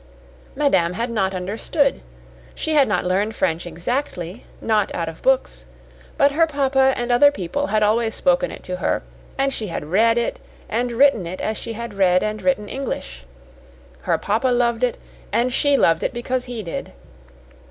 Madame had not understood. She had not learned French exactly not out of books but her papa and other people had always spoken it to her, and she had read it and written it as she had read and written English. Her papa loved it, and she loved it because he did.